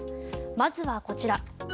まずはこちら。